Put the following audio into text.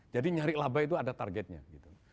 jadi nyari labah itu ada targetnya gitu